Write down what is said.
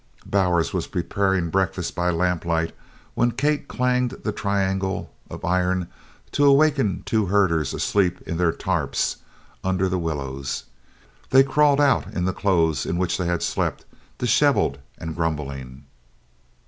Bowers was preparing breakfast by lamplight when Kate clanged the triangle of iron to awaken two herders asleep in their "tarps" under the willows. They crawled out in the clothes in which they had slept, dishevelled and grumbling.